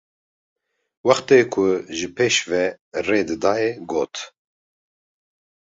Wextê ku ji pêş ve rê didayê got: